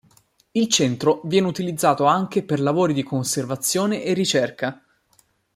Il centro viene utilizzato anche per lavori di conservazione e ricerca.